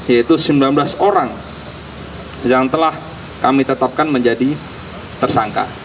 yaitu sembilan belas orang yang telah kami tetapkan menjadi tersangka